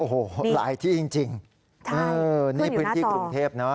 โอ้โหหลายที่จริงนี่พื้นที่กรุงเทพนะ